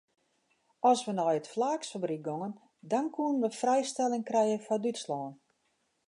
As we nei it flaaksfabryk gongen dan koenen we frijstelling krije foar Dútslân.